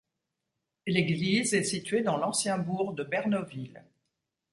L'église est située dans l'ancien bourg de Bernoville.